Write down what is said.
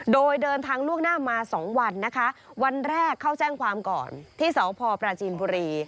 โดยเดินทางล่วงหน้ามา๒วันนะคะวันแรกเข้าแจ้งความก่อนที่สพปราจีนบุรี